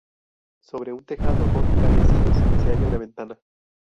Sobre un tejado con canecillos se halla una ventana.